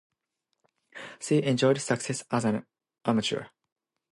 She enjoyed success as an amateur.